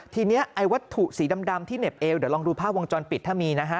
ทีนี้ไอ้วัตถุสีดำที่เหน็บเอวเดี๋ยวลองดูภาพวงจรปิดถ้ามีนะฮะ